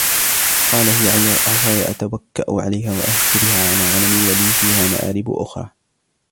قَالَ هِيَ عَصَايَ أَتَوَكَّأُ عَلَيْهَا وَأَهُشُّ بِهَا عَلَى غَنَمِي وَلِيَ فِيهَا مَآرِبُ أُخْرَى